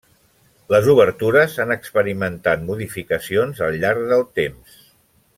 Les obertures han experimentat modificacions al llarg del temps.